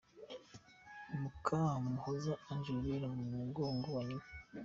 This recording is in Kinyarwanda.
Mukamuhoza Ange wibera mu mugongo wa nyina.